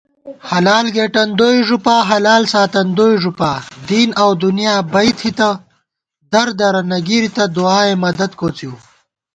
حلال گېٹن دوئی ݫُپا حلال ساتن دوئی ݫُپا * دین اؤ دُنیا بئ تھِتہ دردرہ نہ گِرِتہ دُعائے مدد کوڅِؤ